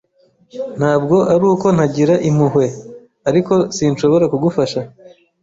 Ntabwo ari uko ntagira impuhwe, ariko sinshobora kugufasha.